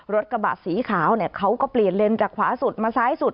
รถกระบะสีขาวเนี่ยเขาก็เปลี่ยนเลนจากขวาสุดมาซ้ายสุด